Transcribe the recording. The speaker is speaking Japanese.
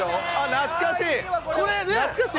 懐かしい！